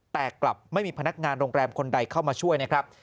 แต่กลับไม่มีพนักงานโรงแรมคนใดเข้ามาช่วยนะครับ